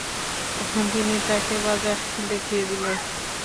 তখন তিনি তাঁকে বাজার দেখিয়ে দিলেন।